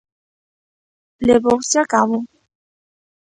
¿Levouse a cabo?